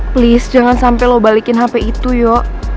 please jangan sampai lo balikin hp itu yuk